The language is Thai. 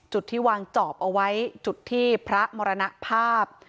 จุดที่วางจอบเอาไว้จุดที่พระมรณภาพ